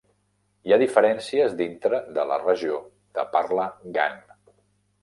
Hi ha diferències dintre de la regió de parla Gan.